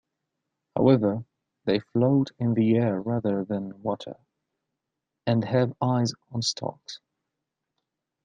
However they float in the air rather than water, and have eyes on stalks.